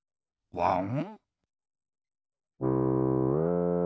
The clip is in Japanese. ワン！